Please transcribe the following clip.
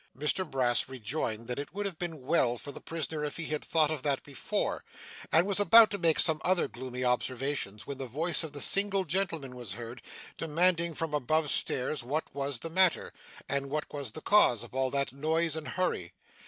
Mr Brass rejoined that it would have been well for the prisoner if he had thought of that before and was about to make some other gloomy observations when the voice of the single gentleman was heard, demanding from above stairs what was the matter, and what was the cause of all that noise and hurry.